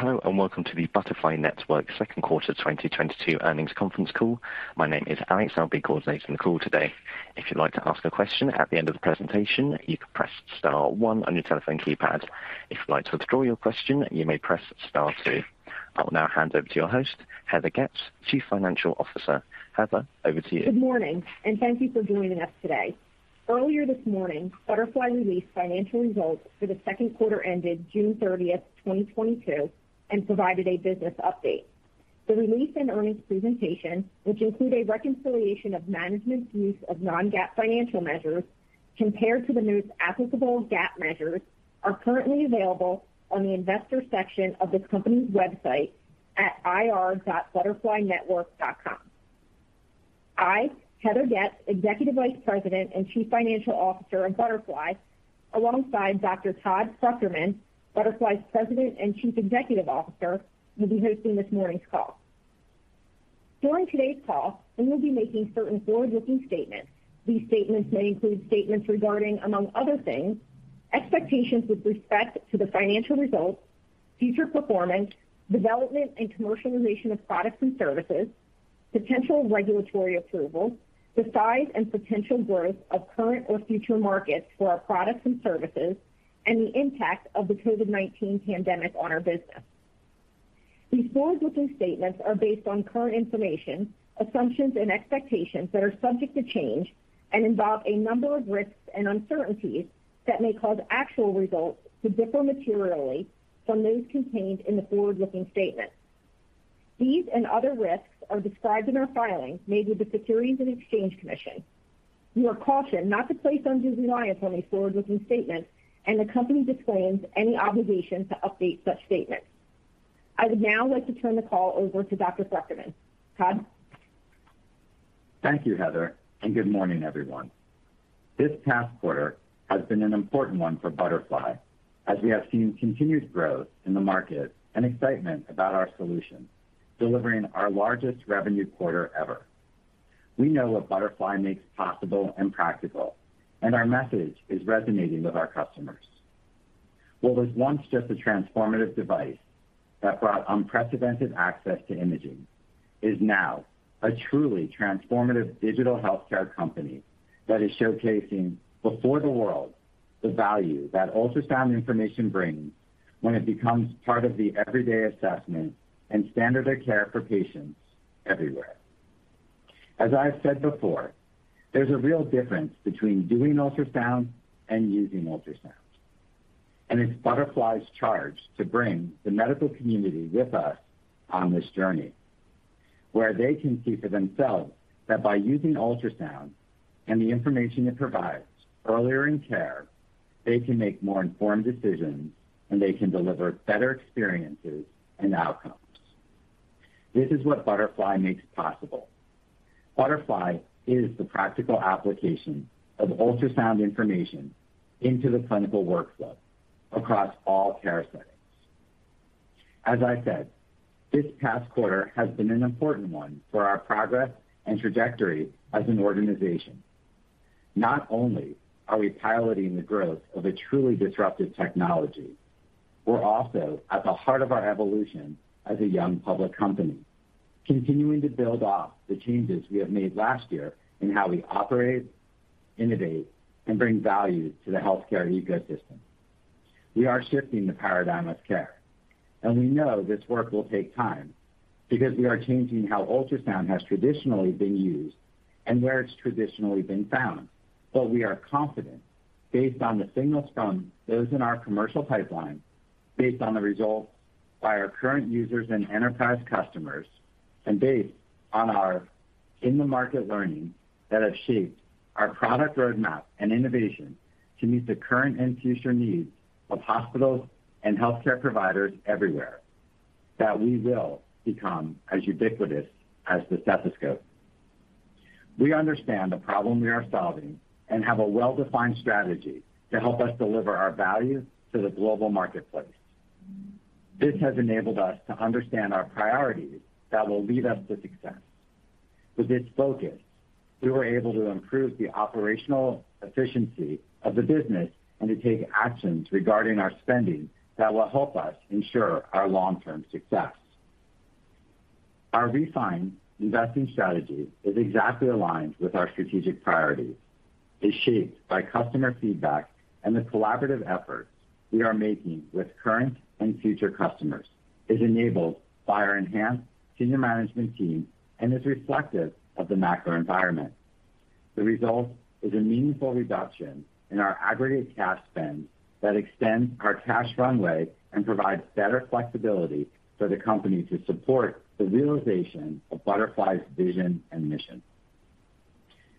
Hello and welcome to the Butterfly Network Second Quarter 2022 Earnings Conference Call. My name is Alex. I'll be coordinating the call today. If you'd like to ask a question at the end of the presentation, you can press star one on your telephone keypad. If you'd like to withdraw your question, you may press star two. I will now hand over to your host, Heather Getz, Chief Financial Officer. Heather, over to you. Good morning, and thank you for joining us today. Earlier this morning, Butterfly released financial results for the second quarter ended June 30th, 2022 and provided a business update. The release and earnings presentation, which include a reconciliation of management's use of non-GAAP financial measures compared to the most applicable GAAP measures, are currently available on the investor section of the company's website at ir.butterflynetwork.com. I, Heather Getz, Executive Vice President and Chief Financial Officer of Butterfly, alongside Dr. Todd Fruchterman, Butterfly's President and Chief Executive Officer, will be hosting this morning's call. During today's call, we will be making certain forward-looking statements. These statements may include statements regarding, among other things, expectations with respect to the financial results, future performance, development and commercialization of products and services, potential regulatory approvals, the size and potential growth of current or future markets for our products and services, and the impact of the COVID-19 pandemic on our business. These forward-looking statements are based on current information, assumptions and expectations that are subject to change and involve a number of risks and uncertainties that may cause actual results to differ materially from those contained in the forward-looking statements. These and other risks are described in our filings made with the Securities and Exchange Commission. You are cautioned not to place undue reliance on these forward-looking statements, and the company disclaims any obligation to update such statements. I would now like to turn the call over to Dr. Fruchterman. Todd? Thank you, Heather, and good morning, everyone. This past quarter has been an important one for Butterfly as we have seen continued growth in the market and excitement about our solution, delivering our largest revenue quarter ever. We know what Butterfly makes possible and practical, and our message is resonating with our customers. What was once just a transformative device that brought unprecedented access to imaging is now a truly transformative digital healthcare company that is showcasing before the world the value that ultrasound information brings when it becomes part of the everyday assessment and standard of care for patients everywhere. As I've said before, there's a real difference between doing ultrasound and using ultrasound. It's Butterfly's charge to bring the medical community with us on this journey, where they can see for themselves that by using ultrasound and the information it provides earlier in care, they can make more informed decisions and they can deliver better experiences and outcomes. This is what Butterfly makes possible. Butterfly is the practical application of ultrasound information into the clinical workflow across all care settings. As I said, this past quarter has been an important one for our progress and trajectory as an organization. Not only are we piloting the growth of a truly disruptive technology, we're also at the heart of our evolution as a young public company, continuing to build off the changes we have made last year in how we operate, innovate, and bring value to the healthcare ecosystem. We are shifting the paradigm of care, and we know this work will take time because we are changing how ultrasound has traditionally been used and where it's traditionally been found. We are confident based on the signals from those in our commercial pipeline, based on the results by our current users and enterprise customers. And based on our in-the-market learning that have shaped our product roadmap and innovation to meet the current and future needs of hospitals and healthcare providers everywhere, that we will become as ubiquitous as the stethoscope. We understand the problem we are solving and have a well-defined strategy to help us deliver our value to the global marketplace. This has enabled us to understand our priorities that will lead us to success. With this focus, we were able to improve the operational efficiency of the business and to take actions regarding our spending that will help us ensure our long-term success. Our refined investing strategy is exactly aligned with our strategic priorities. It's shaped by customer feedback and the collaborative efforts we are making with current and future customers. It's enabled by our enhanced senior management team and is reflective of the macro environment. The result is a meaningful reduction in our aggregate cash spend that extends our cash runway and provides better flexibility for the company to support the realization of Butterfly's vision and mission.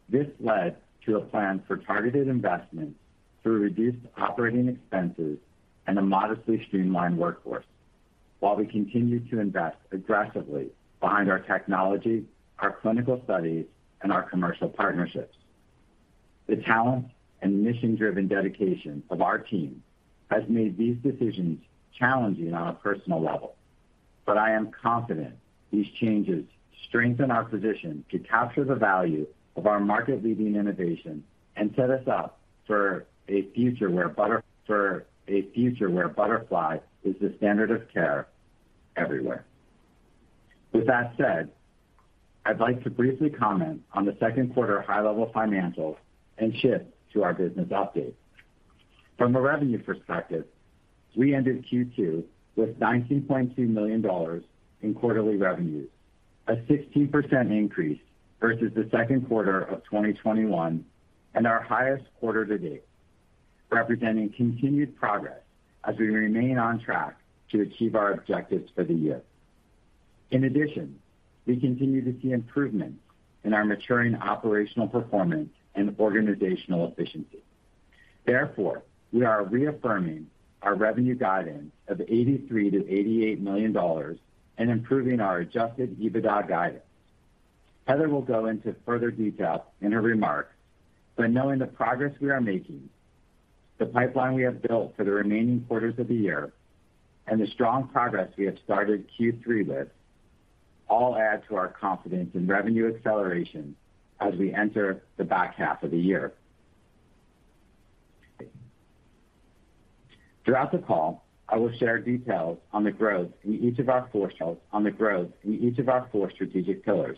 This led to a plan for targeted investment through reduced operating expenses and a modestly streamlined workforce while we continue to invest aggressively behind our technology, our clinical studies, and our commercial partnerships. The talent and mission-driven dedication of our team has made these decisions challenging on a personal level. I am confident these changes strengthen our position to capture the value of our market-leading innovation and set us up for a future where Butterfly is the standard of care everywhere. With that said, I'd like to briefly comment on the second quarter high level financials and shift to our business update. From a revenue perspective, we ended Q2 with $19.2 million in quarterly revenue, a 16% increase versus the second quarter of 2021 and our highest quarter to date, representing continued progress as we remain on track to achieve our objectives for the year. In addition, we continue to see improvements in our maturing operational performance and organizational efficiency. Therefore, we are reaffirming our revenue guidance of $83 million-$88 million and improving our adjusted EBITDA guidance. Heather will go into further detail in her remarks, but knowing the progress we are making, the pipeline we have built for the remaining quarters of the year, and the strong progress we have started Q3 with, all add to our confidence in revenue acceleration as we enter the back half of the year. Throughout the call, I will share details on the growth in each of our four strategic pillars,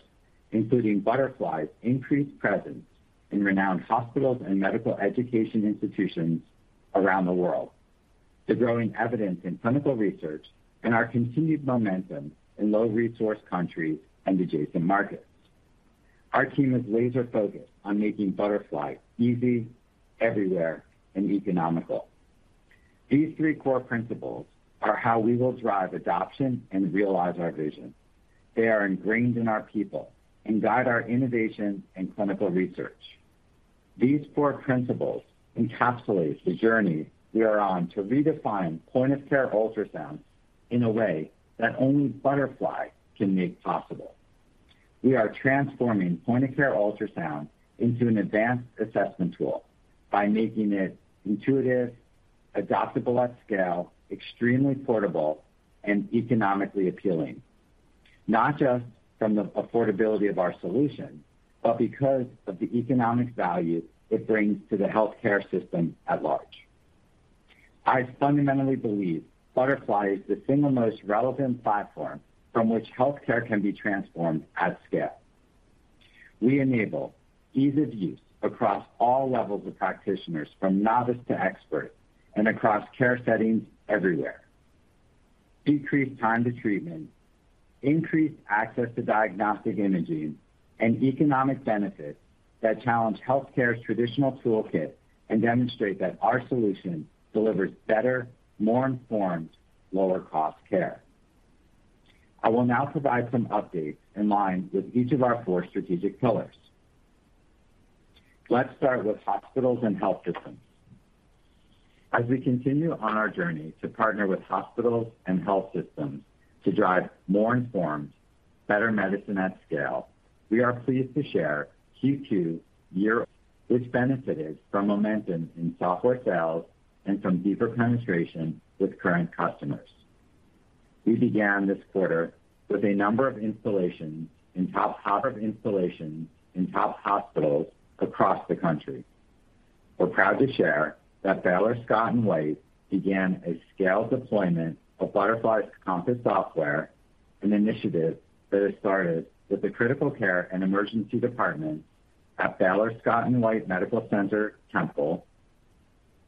including Butterfly's increased presence in renowned hospitals and medical education institutions around the world, the growing evidence in clinical research, and our continued momentum in low resource countries and adjacent markets. Our team is laser-focused on making Butterfly easy, everywhere, and economical. These three core principles are how we will drive adoption and realize our vision. They are ingrained in our people and guide our innovation and clinical research. These four principles encapsulate the journey we are on to redefine point of care ultrasound in a way that only Butterfly can make possible. We are transforming point of care ultrasound into an advanced assessment tool by making it intuitive, adoptable at scale, extremely portable, and economically appealing, not just from the affordability of our solution, but because of the economic value it brings to the healthcare system at large. I fundamentally believe Butterfly is the single most relevant platform from which healthcare can be transformed at scale. We enable ease of use across all levels of practitioners, from novice to expert and across care settings everywhere. Decreased time to treatment, increased access to diagnostic imaging and economic benefits that challenge healthcare's traditional toolkit and demonstrate that our solution delivers better, more informed, lower cost care. I will now provide some updates in line with each of our four strategic pillars. Let's start with hospitals and health systems. As we continue on our journey to partner with hospitals and health systems to drive more informed, better medicine at scale, we are pleased to share that Q2 benefited from momentum in software sales and from deeper penetration with current customers. We began this quarter with a number of installations in top hospitals across the country. We're proud to share that Baylor Scott & White began a scaled deployment of Butterfly's Compass software, an initiative that has started with the critical care and emergency department at Baylor Scott & White Medical Center, Temple,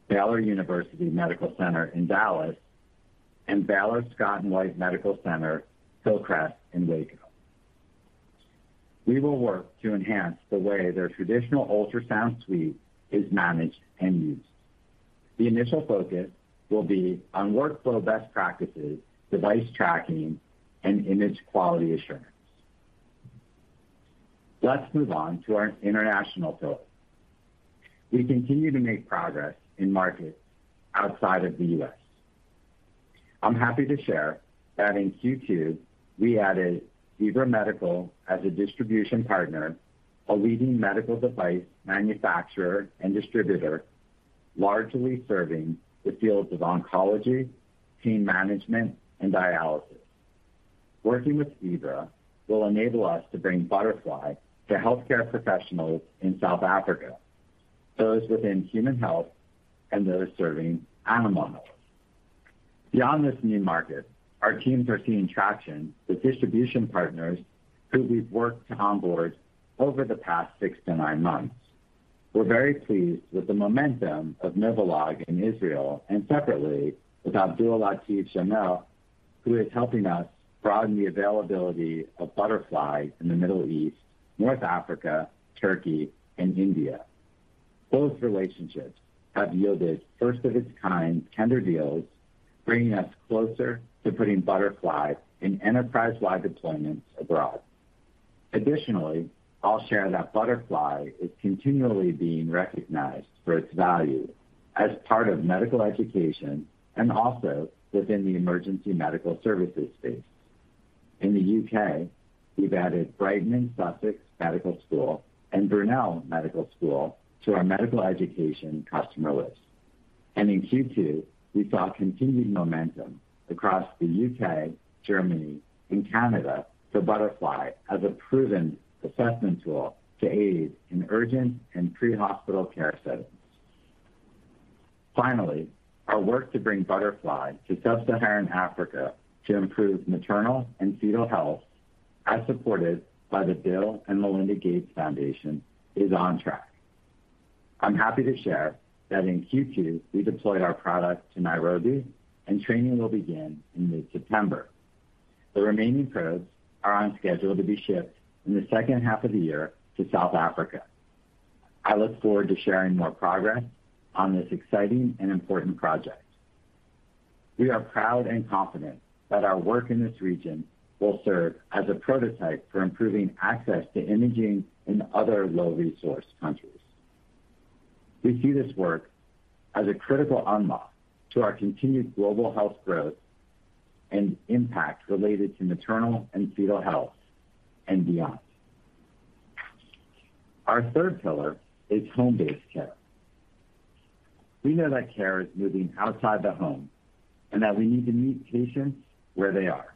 Baylor University Medical Center in Dallas and Baylor Scott & White Medical Center Hillcrest in Waco. We will work to enhance the way their traditional ultrasound suite is managed and used. The initial focus will be on workflow best practices, device tracking, and image quality assurance. Let's move on to our international pillar. We continue to make progress in markets outside of the U.S. I'm happy to share that in Q2, we added Zebra Medical as a distribution partner, a leading medical device manufacturer and distributor, largely serving the fields of oncology, pain management, and dialysis. Working with Zebra, will enable us to bring Butterfly to healthcare professionals in South Africa, those within human health and those serving animal health. Beyond this new market, our teams are seeing traction with distribution partners who we've worked to onboard over the past six to nine months. We're very pleased with the momentum of Novolog in Israel and separately with Abdul Latif Jameel, who is helping us broaden the availability of Butterfly in the Middle East, North Africa, Turkey, and India. Both relationships have yielded first of its kind tender deals, bringing us closer to putting Butterfly in enterprise-wide deployments abroad. Additionally, I'll share that Butterfly is continually being recognized for its value as part of medical education and also within the emergency medical services space. In the U.K., we've added Brighton and Sussex Medical School and Brunel Medical School to our medical education customer list. In Q2, we saw continued momentum across the U.K., Germany and Canada for Butterfly as a proven assessment tool to aid in urgent and pre-hospital care settings. Finally, our work to bring Butterfly to sub-Saharan Africa to improve maternal and fetal health, as supported by the Bill & Melinda Gates Foundation, is on track. I'm happy to share that in Q2, we deployed our product to Nairobi and training will begin in mid-September. The remaining probes are on schedule to be shipped in the second half of the year to South Africa. I look forward to sharing more progress on this exciting and important project. We are proud and confident that our work in this region will serve as a prototype for improving access to imaging in other low resource countries. We see this work as a critical unlock to our continued global health growth and impact related to maternal and fetal health and beyond. Our third pillar is home-based care. We know that care is moving outside the home and that we need to meet patients where they are.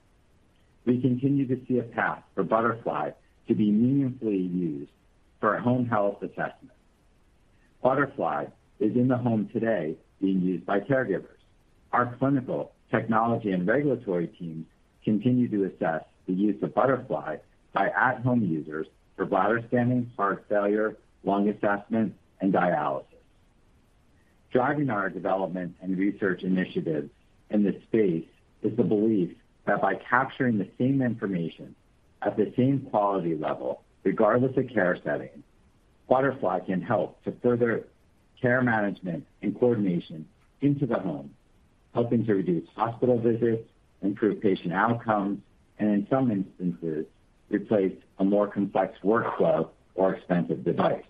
We continue to see a path for Butterfly to be meaningfully used for home health assessment. Butterfly is in the home today being used by caregivers. Our clinical, technology and regulatory teams continue to assess the use of Butterfly by at-home users for bladder scanning, heart failure, lung assessment and dialysis. Driving our development and research initiatives in this space is the belief that by capturing the same information at the same quality level, regardless of care setting, Butterfly can help to further care management and coordination into the home, helping to reduce hospital visits, improve patient outcomes, and in some instances, replace a more complex workflow or expensive device.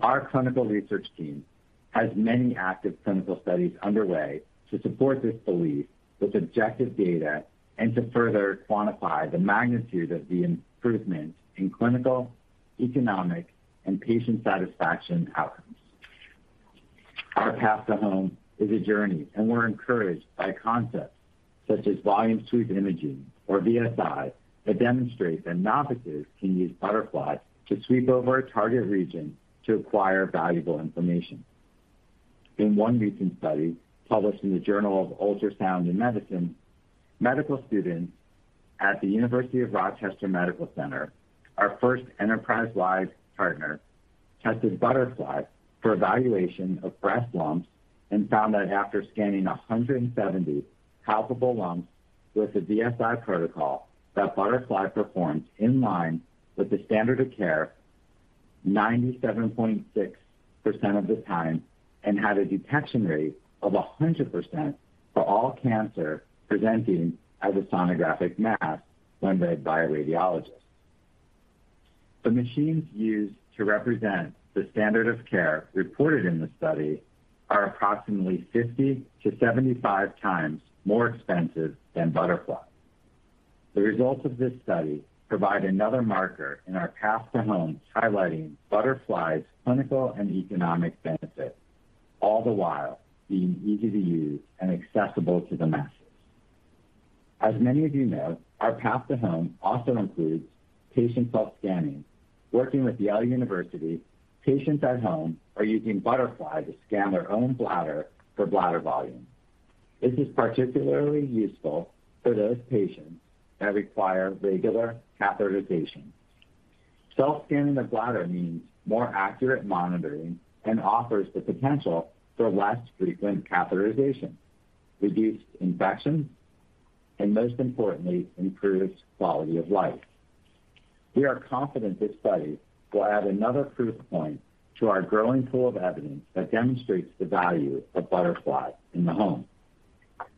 Our clinical research team has many active clinical studies underway to support this belief with objective data and to further quantify the magnitude of the improvement in clinical, economic, and patient satisfaction outcomes. Our path to home is a journey, and we're encouraged by concepts such as Volume Sweep Imaging or VSI that demonstrate that novices can use Butterfly to sweep over a target region to acquire valuable information. In one recent study published in the Journal of Ultrasound in Medicine, medical students at the University of Rochester Medical Center, our first enterprise-wide partner, tested Butterfly for evaluation of breast lumps and found that after scanning 170 palpable lumps with the VSI protocol, that Butterfly performed in line with the standard of care 97.6% of the time and had a detection rate of 100% for all cancer presenting as a sonographic mass when read by a radiologist. The machines used to represent the standard of care reported in the study are approximately 50x-75x more expensive than Butterfly. The results of this study provide another marker in our path to home, highlighting Butterfly's clinical and economic benefits, all the while being easy to use and accessible to the masses. As many of you know, our path to home also includes patient self-scanning. Working with Yale University, patients at home are using Butterfly to scan their own bladder for bladder volume. This is particularly useful for those patients that require regular catheterization. Self-scanning the bladder means more accurate monitoring and offers the potential for less frequent catheterization, reduced infections, and most importantly, improves quality of life. We are confident this study will add another proof point to our growing pool of evidence that demonstrates the value of Butterfly in the home.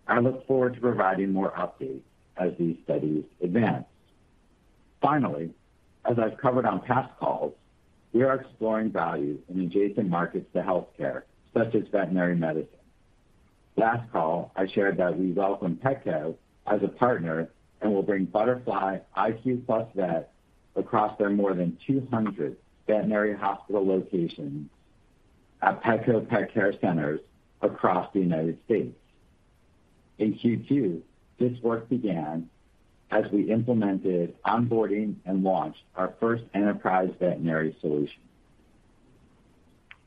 I look forward to providing more updates as these studies advance. Finally, as I've covered on past calls, we are exploring value in adjacent markets to healthcare, such as veterinary medicine. Last call, I shared that we welcome Petco as a partner and will bring Butterfly iQ+ Vet across their more than 200 veterinary hospital locations at Petco Pet Care Centers across the United States. In Q2, this work began as we implemented onboarding and launched our first enterprise veterinary solution.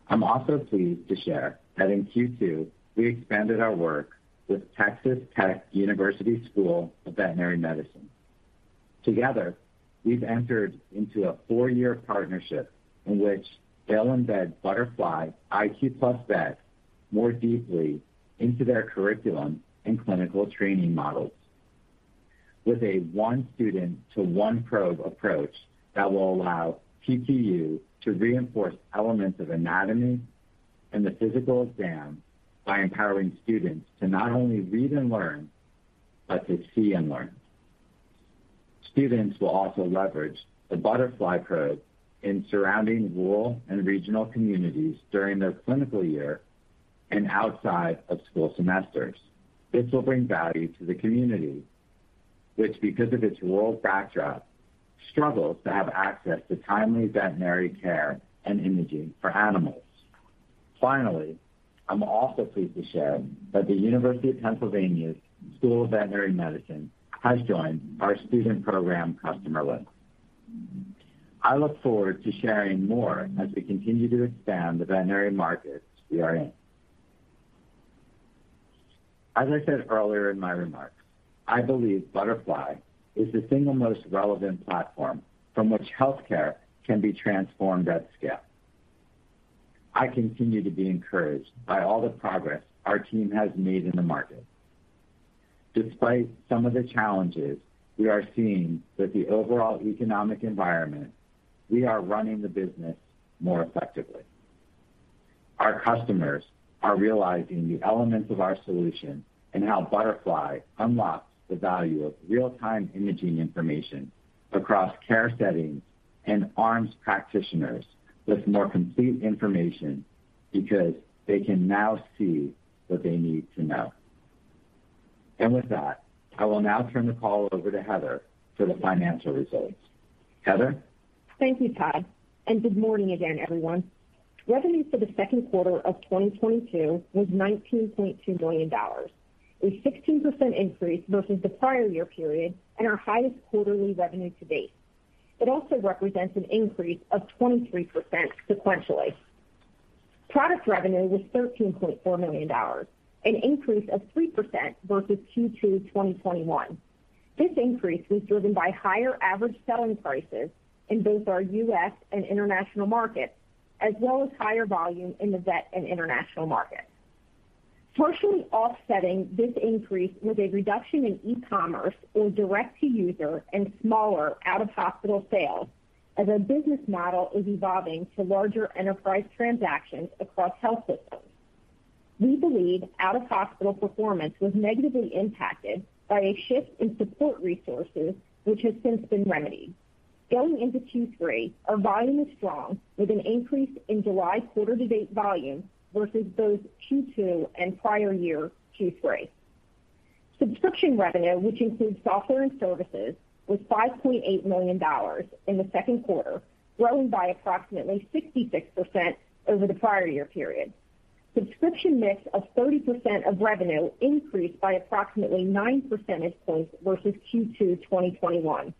I'm also pleased to share that in Q2, we expanded our work with Texas Tech University School of Veterinary Medicine. Together, we've entered into a four year partnership in which they'll embed Butterfly iQ+ Vet more deeply into their curriculum and clinical training models with a one student to one probe approach that will allow TTU to reinforce elements of anatomy and the physical exam by empowering students to not only read and learn, but to see and learn. Students will also leverage the Butterfly probe in surrounding rural and regional communities during their clinical year and outside of school semesters. This will bring value to the community, which because of its rural backdrop, struggles to have access to timely veterinary care and imaging for animals. Finally, I'm also pleased to share that the University of Pennsylvania School of Veterinary Medicine has joined our student program customer list. I look forward to sharing more as we continue to expand the veterinary markets we are in. As I said earlier in my remarks, I believe Butterfly is the single most relevant platform from which healthcare can be transformed at scale. I continue to be encouraged by all the progress our team has made in the market. Despite some of the challenges we are seeing with the overall economic environment, we are running the business more effectively. Our customers are realizing the elements of our solution and how Butterfly unlocks the value of real-time imaging information across care settings and arms practitioners with more complete information because they can now see what they need to know. With that, I will now turn the call over to Heather for the financial results. Heather. Thank you, Todd, and good morning again, everyone. Revenue for the second quarterof 2022 was $19.2 billion, a 16% increase versus the prior year period and our highest quarterly revenue to date. It also represents an increase of 23% sequentially. Product revenue was $13.4 million, a 3% increase versus Q2 2021. This increase was driven by higher average selling prices in both our U.S. and international markets, as well as higher volume in the vet and international markets. Partially offsetting this increase was a reduction in e-commerce or direct-to-user and smaller out-of-hospital sales as our business model is evolving to larger enterprise transactions across health systems. We believe out-of-hospital performance was negatively impacted by a shift in support resources, which has since been remedied. Going into Q3, our volume is strong with an increase in July quarter to date volume versus both Q2 and prior year Q3. Subscription revenue, which includes software and services, was $5.8 million in the second quarter, growing by approximately 66% over the prior year period. Subscription mix of 30% of revenue increased by approximately 9 percentage points versus Q2 2021.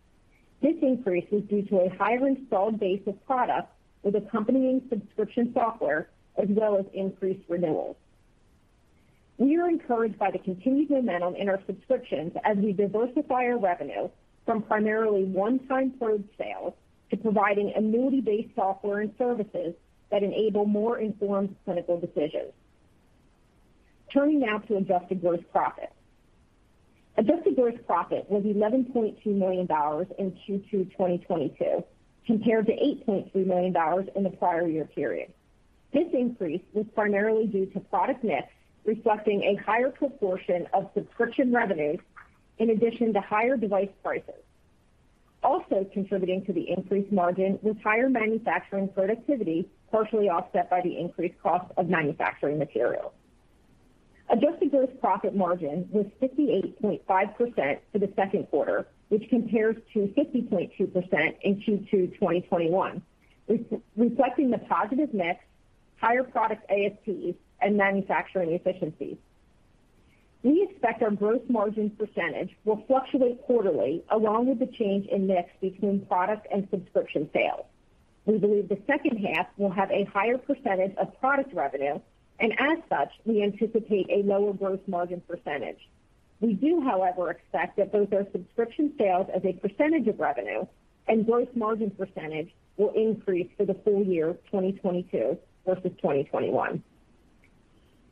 This increase is due to a higher installed base of product with accompanying subscription software as well as increased renewals. We are encouraged by the continued momentum in our subscriptions as we diversify our revenue from primarily one-time product sales to providing annuity-based software and services that enable more informed clinical decisions. Turning now to adjusted gross profit. Adjusted gross profit was $11.2 million in Q2 2022, compared to $8.3 million in the prior year period. This increase was primarily due to product mix, reflecting a higher proportion of subscription revenues in addition to higher device prices. Also contributing to the increased margin was higher manufacturing productivity, partially offset by the increased cost of manufacturing materials. Adjusted gross profit margin was 68.5% for the second quarter, which compares to 50.2% in Q2 2021, reflecting the positive mix, higher product ASPs and manufacturing efficiencies. We expect our gross margin percentage will fluctuate quarterly along with the change in mix between product and subscription sales. We believe the second half will have a higher percentage of product revenue, and as such, we anticipate a lower gross margin percentage. We do, however, expect that both our subscription sales as a percentage of revenue and gross margin percentage will increase for the full year 2022 versus 2021.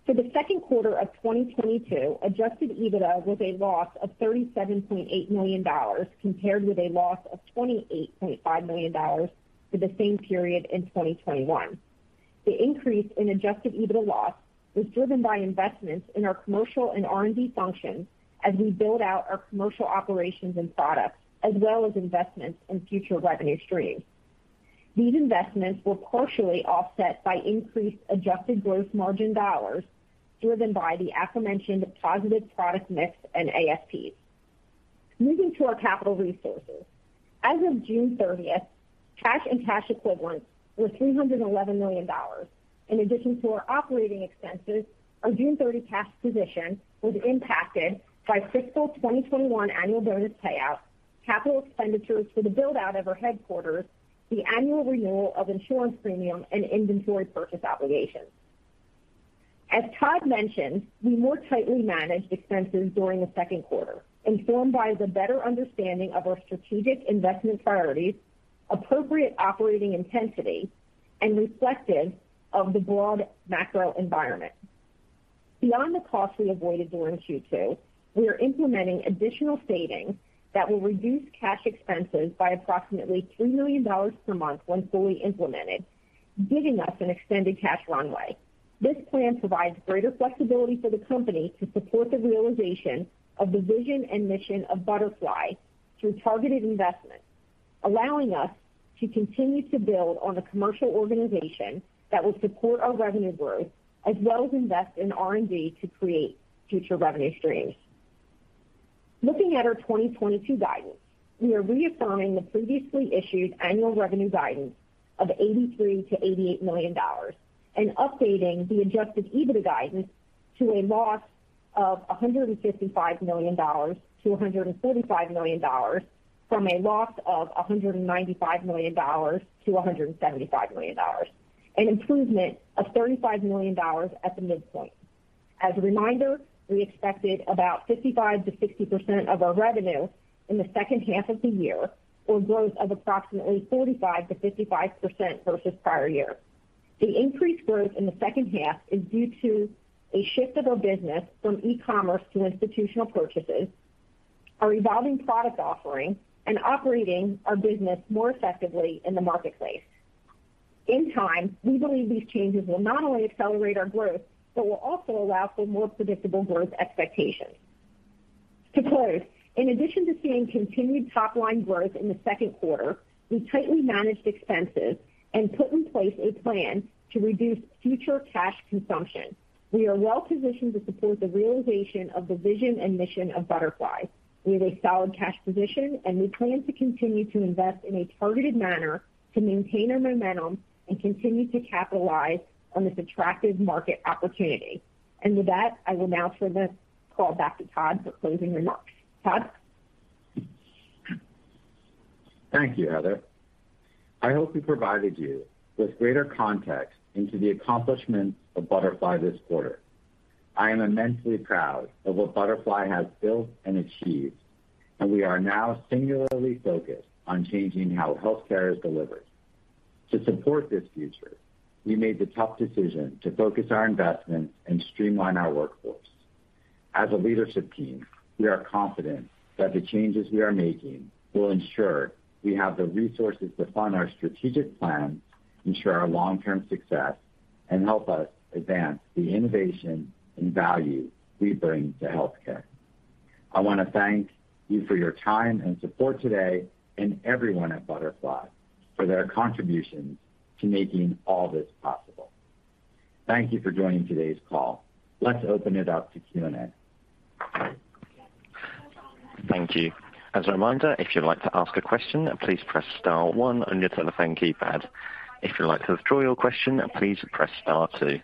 For the second quarter of 2022, adjusted EBITDA was a loss of $37.8 million compared with a loss of $28.5 million for the same period in 2021. The increase in adjusted EBITDA loss was driven by investments in our commercial and R&D functions as we build out our commercial operations and products, as well as investments in future revenue streams. These investments were partially offset by increased adjusted gross margin dollars driven by the aforementioned positive product mix and ASPs. Moving to our capital resources. As of June 30th, cash and cash equivalents were $311 million. In addition to our operating expenses, our June 30 cash position was impacted by fiscal 2021 annual bonus payouts, capital expenditures for the build-out of our headquarters, the annual renewal of insurance premium, and inventory purchase obligations. As Todd mentioned, we more tightly managed expenses during the second quarter, informed by the better understanding of our strategic investment priorities, appropriate operating intensity, and reflective of the broad macro environment. Beyond the costs we avoided during Q2, we are implementing additional savings that will reduce cash expenses by approximately $3 million per month when fully implemented, giving us an extended cash runway. This plan provides greater flexibility for the company to support the realization of the vision and mission of Butterfly through targeted investments. Allowing us to continue to build on a commercial organization that will support our revenue growth as well as invest in R&D to create future revenue streams. Looking at our 2022 guidance, we are reaffirming the previously issued annual revenue guidance of $83 million-$88 million and updating the adjusted EBITDA guidance to a loss of $155 million-$145 million from a loss of $195 million-$175 million, an improvement of $35 million at the midpoint. As a reminder, we expected about 55%-60% of our revenue in the second half of the year or growth of approximately 35%-55% versus prior year. The increased growth in the second half is due to a shift of our business from e-commerce to institutional purchases, our evolving product offering, and operating our business more effectively in the marketplace. In time, we believe these changes will not only accelerate our growth, but will also allow for more predictable growth expectations. To close, in addition to seeing continued top line growth in the second quarter, we tightly managed expenses and put in place a plan to reduce future cash consumption. We are well positioned to support the realization of the vision and mission of Butterfly. We have a solid cash position, and we plan to continue to invest in a targeted manner to maintain our momentum and continue to capitalize on this attractive market opportunity. With that, I will now turn the call back to Todd for closing remarks. Todd? Thank you, Heather. I hope we provided you with greater context into the accomplishments of Butterfly this quarter. I am immensely proud of what Butterfly has built and achieved, and we are now singularly focused on changing how healthcare is delivered. To support this future, we made the tough decision to focus our investments and streamline our workforce. As a leadership team, we are confident that the changes we are making will ensure we have the resources to fund our strategic plan, ensure our long-term success, and help us advance the innovation and value we bring to healthcare. I want to thank you for your time and support today and everyone at Butterfly for their contributions to making all this possible. Thank you for joining today's call. Let's open it up to Q&A. Thank you. As a reminder, if you'd like to ask a question, please press star one on your telephone keypad. If you'd like to withdraw your question, please press star two.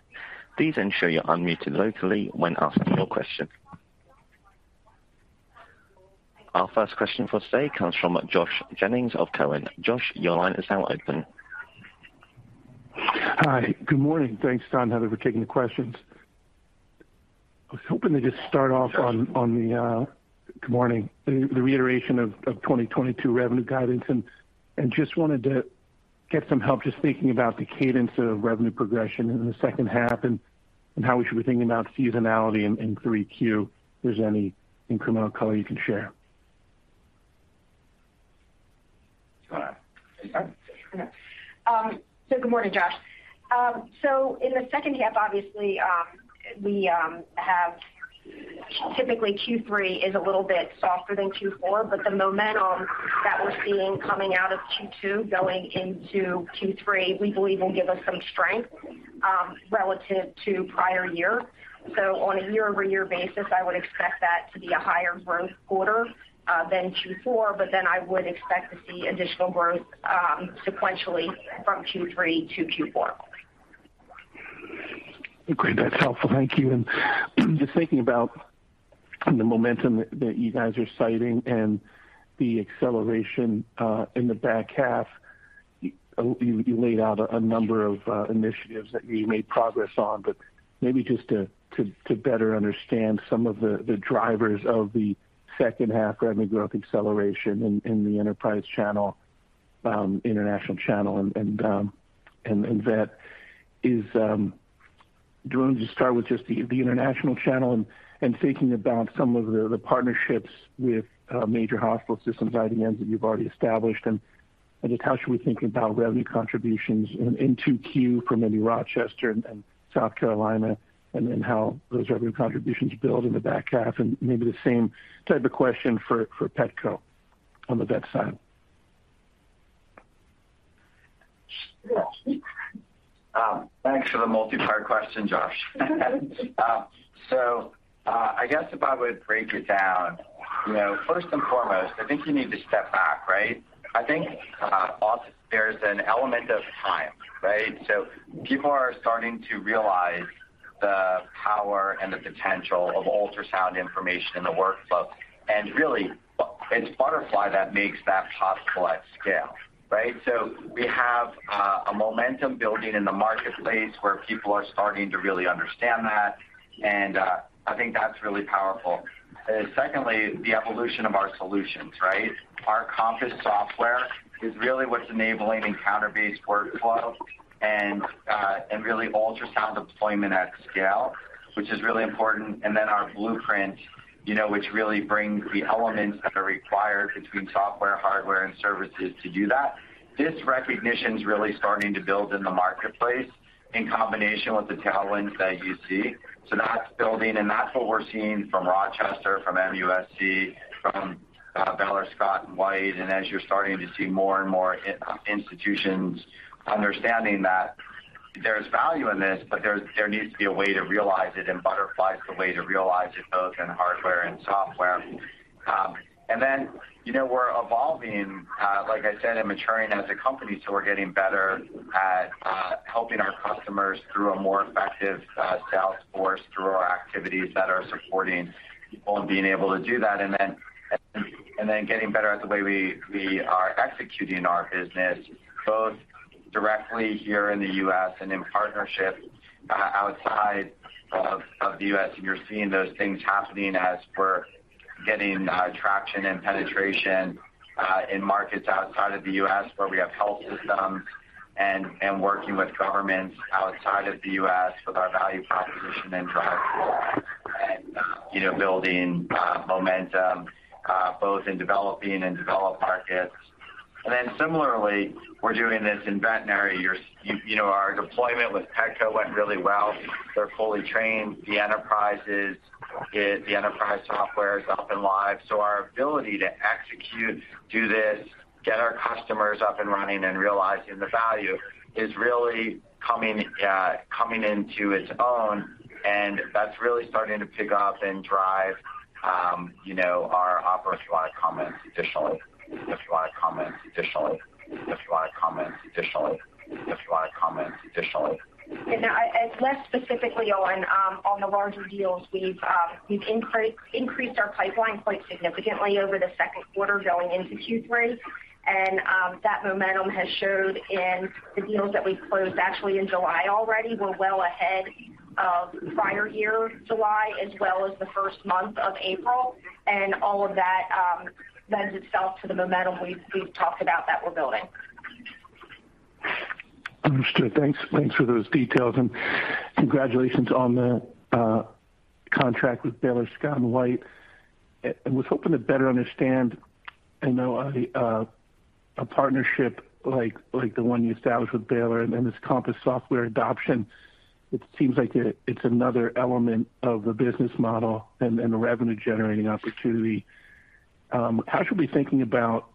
Please ensure you're unmuted locally when asking your question. Our first question for today comes from Josh Jennings of Cowen. Josh, your line is now open. Hi. Good morning. Thanks, Todd and Heather, for taking the questions. I was hoping to just start off on the reiteration of 2022 revenue guidance and just wanted to get some help just thinking about the cadence of revenue progression in the second half and how we should be thinking about seasonality in Q3, if there's any incremental color you can share. Go ahead. Good morning, Josh. So, in the second half, obviously, typically Q3 is a little bit softer than Q4, but the momentum that we're seeing coming out of Q2 going into Q3, we believe will give us some strength, relative to prior year. So, on a year-over-year basis, I would expect that to be a higher growth quarter than Q4, but then I would expect to see additional growth, sequentially from Q3 to Q4. Great. That's helpful. Thank you. Just thinking about the momentum that you guys are citing and the acceleration in the back half, you laid out a number of initiatives that you made progress on, but maybe just to better understand some of the drivers of the second half revenue growth acceleration in the enterprise channel, international channel and vet. Do you want me to start with just the international channel and thinking about some of the partnerships with major hospital systems, IDNs that you've already established, and just how should we think about revenue contributions in 2Q from maybe Rochester and South Carolina, and then how those revenue contributions build in the back half? Maybe the same type of question for Petco on the vet side. Thanks for the multi-part question, Josh. I guess if I would break it down, you know, first and foremost, I think you need to step back, right? I think, also there's an element of time, right? People are starting to realize the power and the potential of ultrasound information in the workflow. Really, it's Butterfly that makes that possible at scale, right? We have a momentum building in the marketplace where people are starting to really understand that, and I think that's really powerful. Secondly, the evolution of our solutions, right? Our Compass software is really what's enabling encounter-based workflow and really ultrasound deployment at scale, which is really important. Then our Blueprint, you know, which really brings the elements that are required between software, hardware, and services to do that. This recognition is really starting to build in the marketplace in combination with the talent that you see. That's building, and that's what we're seeing from Rochester, from MUSC, from Baylor Scott & White. As you're starting to see more and more institutions understanding that there's value in this, but there needs to be a way to realize it, and Butterfly is the way to realize it, both in hardware and software. You know, we're evolving, like I said, and maturing as a company, so we're getting better at helping our customers through a more effective sales force, through our activities that are supporting people and being able to do that. Getting better at the way we are executing our business, both directly here in the U.S. and in partnership outside of the U.S. You're seeing those things happening as we're getting traction and penetration in markets outside of the U.S., where we have health systems and working with governments outside of the U.S. with our value proposition and drive. You know, building momentum both in developing and developed markets. Similarly, we're doing this in veterinary, you know, our deployment with Petco went really well. They're fully trained. The enterprise software is up and live. Our ability to execute, do this, get our customers up and running and realizing the value is really coming into its own, and that's really starting to pick up and drive, you know, our operational comments additionally. Less specifically on the larger deals, we've increased our pipeline quite significantly over the second quarter going into Q3. That momentum has showed in the deals that we've closed actually in July already. We're well ahead of prior year July as well as the first month of April and all of that lends itself to the momentum we've talked about that we're building. Understood. Thanks. Thanks for those details. Congratulations on the contract with Baylor Scott & White Health. I was hoping to better understand. I know a partnership like the one you established with Baylor and this Compass software adoption. It seems like it's another element of the business model and the revenue-generating opportunity. How should we be thinking about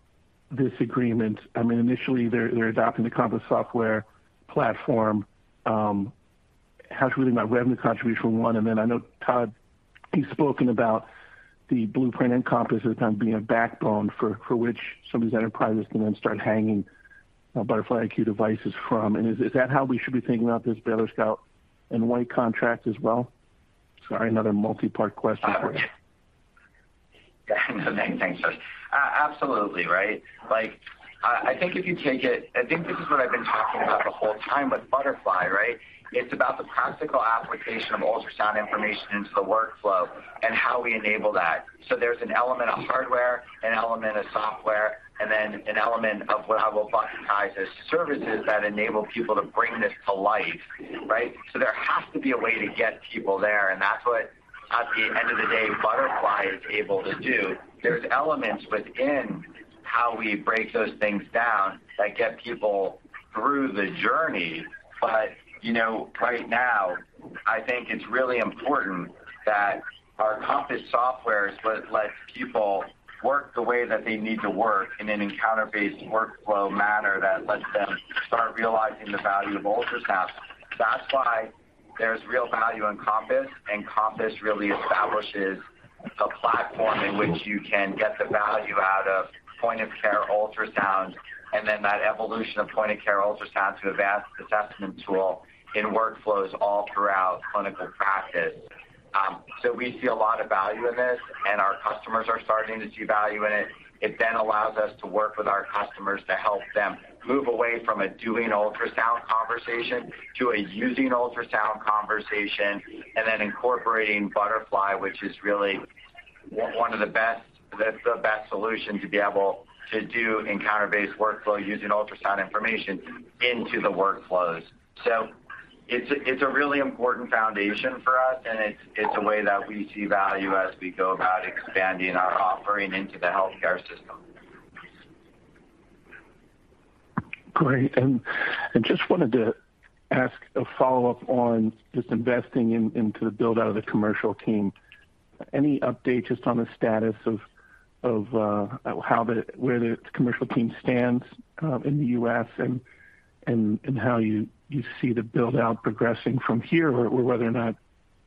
this agreement? I mean, initially they're adopting the Compass software platform. How should we think about revenue contribution, one, and then I know Todd. He's spoken about the Blueprint and Compass as kind of being a backbone for which some of these enterprises can then start hanging Butterfly iQ devices from. Is that how we should be thinking about this Baylor Scott & White Health contract as well? Sorry, another multi-part question for you. Thanks. Thanks, Josh. Absolutely, right? Like, I think this is what I've been talking about the whole time with Butterfly, right? It's about the practical application of ultrasound information into the workflow and how we enable that. There's an element of hardware, an element of software, and then an element of what I will bucket-ize as services that enable people to bring this to life, right? There has to be a way to get people there, and that's what, at the end of the day, Butterfly is able to do. There's elements within how we break those things down that get people through the journey. You know, right now, I think it's really important that our Compass software is what lets people work the way that they need to work in an encounter-based workflow manner that lets them start realizing the value of ultrasound. That's why there's real value in Compass, and Compass really establishes a platform in which you can get the value out of point-of-care ultrasound, and then that evolution of point-of-care ultrasound to a vast assessment tool in workflows all throughout clinical practice. So we see a lot of value in this, and our customers are starting to see value in it. It then allows us to work with our customers to help them move away from a doing ultrasound conversation to a using ultrasound conversation, and then incorporating Butterfly, which is really the best solution to be able to do encounter-based workflow using ultrasound information into the workflows. It's a really important foundation for us, and it's a way that we see value as we go about expanding our offering into the healthcare system. Great. I just wanted to ask a follow-up on just investing into the build-out of the commercial team. Any update just on the status of where the commercial team stands in the U.S. and how you see the build-out progressing from here or whether or not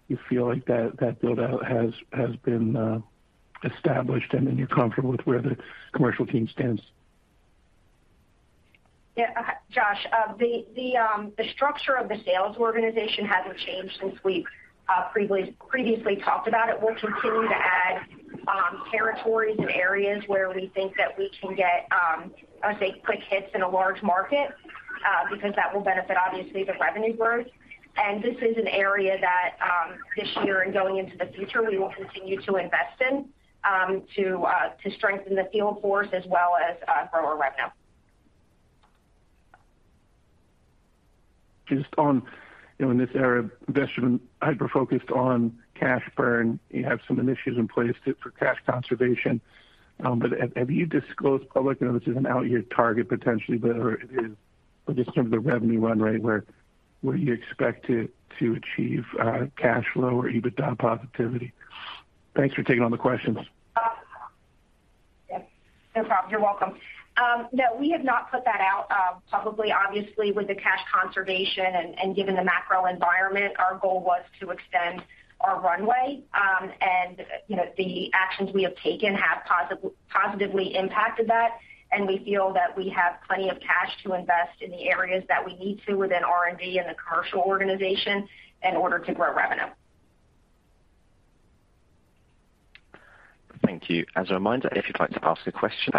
you feel like that build-out has been established and that you're comfortable with where the commercial team stands? Yeah. Josh, the structure of the sales organization hasn't changed since we've previously talked about it. We'll continue to add territories and areas where we think that we can get, I would say quick hits in a large market, because that will benefit obviously the revenue growth. This is an area that this year and going into the future we will continue to invest in to strengthen the field force as well as grow our revenue. Just on, you know, in this area of investment hyper-focused on cash burn, you have some initiatives in place for cash conservation. Have you disclosed publicly? I know this is an outyear target potentially, but just from the revenue run rate, where you expect to achieve cash flow or EBITDA positivity? Thanks for taking all the questions. Yeah, no problem. You're welcome. No, we have not put that out publicly. Obviously, with the cash conservation and given the macro environment, our goal was to extend our runway. You know, the actions we have taken have positively impacted that and we feel that we have plenty of cash to invest in the areas that we need to within R&D and the commercial organization in order to grow revenue. Thank you. As a reminder, if you'd like to ask a question.